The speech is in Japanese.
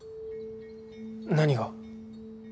何が？